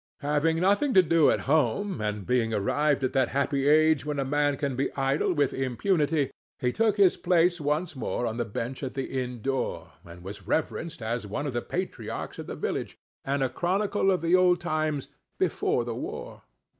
Having nothing to do at home, and being arrived at that happy age when a man can be idle with impunity, he took his place once more on the bench at the inn door, and was reverenced as one of the patriarchs of the village, and a chronicle of the old times "before the war."